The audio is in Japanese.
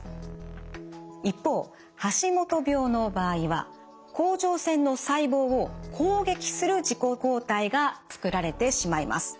一方橋本病の場合は甲状腺の細胞を攻撃する自己抗体が作られてしまいます。